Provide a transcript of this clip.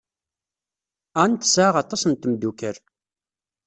Ann tesɛa aṭas n tmeddukal.